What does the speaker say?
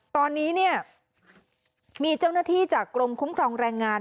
ตอนนี้เนี่ยมีเจ้าหน้าที่จากกรมคุ้มครองแรงงาน